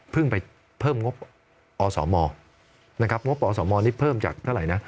ไปเพิ่มงบอสมนะครับงบอสมนี่เพิ่มจากเท่าไหร่นะ